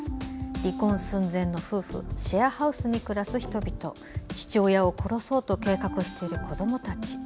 離婚寸前の夫婦シェアハウスに暮らす人々父親を殺そうと計画している子どもたち。